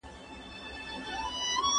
د یو مات زړه په خړ، پړ جمات کي ناست یم